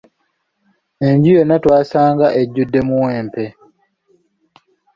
Enju yonna twasanga ejjudde muwempe.